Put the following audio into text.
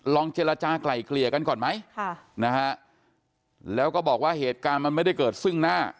เจรจากลายเกลี่ยกันก่อนไหมค่ะนะฮะแล้วก็บอกว่าเหตุการณ์มันไม่ได้เกิดซึ่งหน้า